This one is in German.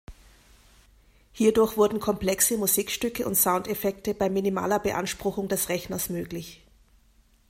Hierdurch wurden komplexe Musikstücke und Soundeffekte bei minimaler Beanspruchung des Rechners möglich.